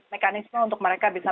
mekanisme untuk mereka bisa